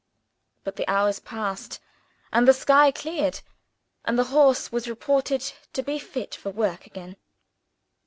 But the hours passed and the sky cleared and the horse was reported to be fit for work again.